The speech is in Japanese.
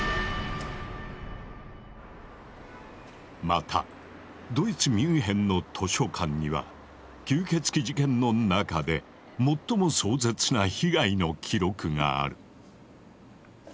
またドイツ・ミュンヘンの図書館には吸血鬼事件の中で最も壮絶な被害の記録がある。